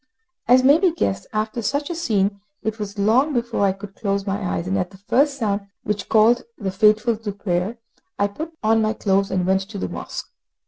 As may be guessed, after such a scene it was long before I could close my eyes, and at the first sound which called the faithful to prayer, I put on my clothes and went to the mosque.